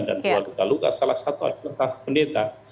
dan dua luka luka salah satu adalah pendeta